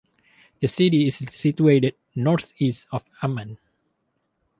The city is situated northeast of Amman.